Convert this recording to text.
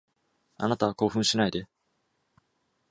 あなた、興奮しないで。